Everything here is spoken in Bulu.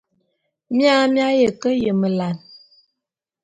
Mia mi aye ke yemelane.